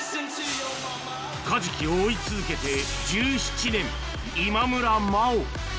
カジキを追い続けて１７年、今村真央。